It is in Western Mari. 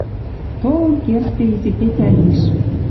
Толын кердде изи тетя лиш.